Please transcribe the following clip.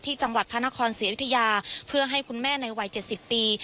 จังหวัดพระนครศรีอยุธยาเพื่อให้คุณแม่ในวัย๗๐ปี